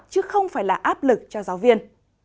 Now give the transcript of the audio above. chứ không phải là áp lực cho giáo viên